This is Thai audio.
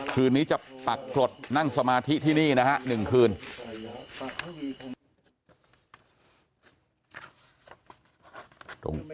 คืนนี้จะปักกรดนั่งสมาธิที่นี่นะฮะ๑คืน